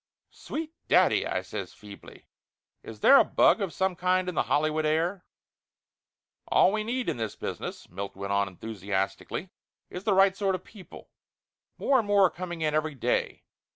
"Sweet daddy !" I says feebly. "Is there a bug of some kind in the Hollywood air?" "All we need in this business," Milt went on en thusiastically, "is the right sort of people. More and more are coming in every day.